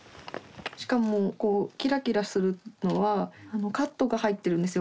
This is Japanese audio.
しかもキラキラするのはカットが入ってるんですよ